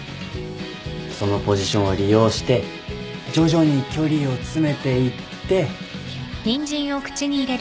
そのポジションを利用して徐々に距離を詰めていって。